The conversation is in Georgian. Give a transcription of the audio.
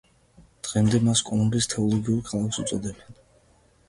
დღემდე მას კოლუმბიის თეოლოგიურ ქალაქს უწოდებენ.